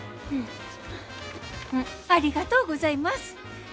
ありがとうございます。